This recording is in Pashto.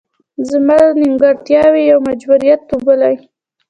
زما نیمګړتیاوې یو مجبوریت وبولي.